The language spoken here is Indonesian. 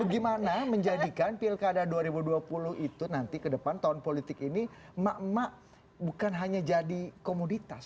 gimana menjadikan pilkada dua ribu dua puluh itu nanti ke depan tahun politik ini emak emak bukan hanya jadi komoditas